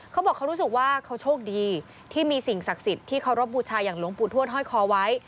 เขาบอกเขารู้สึกว่าเขาโชคดีที่มีสิ่งศักดิ์สิทธิ์ที่เคารพบูชาอย่างหลวงปู่ทวดห้อยคอไว้